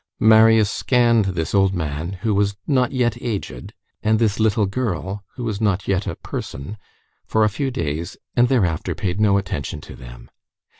Marius scanned this old man, who was not yet aged, and this little girl, who was not yet a person, for a few days, and thereafter paid no attention to them.